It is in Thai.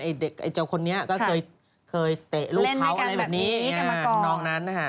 เด็กไอ้เจ้าคนนี้ก็เคยเตะลูกเขาอะไรแบบนี้น้องนั้นนะฮะ